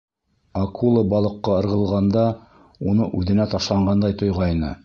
Акула балыҡҡа ырғылғанда, уны үҙенә ташланғандай тойғайны.